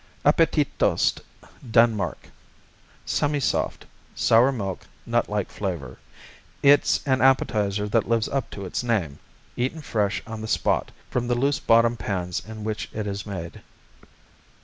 Appetitost Denmark Semisoft; sour milk; nutlike flavor. It's an appetizer that lives up to its name, eaten fresh on the spot, from the loose bottom pans in which it is made.